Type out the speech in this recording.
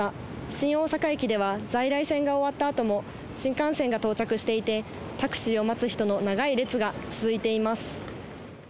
新大阪駅では、在来線が終わったあとも、新幹線が到着していて、タクシーを待つ人の長い列が続いています。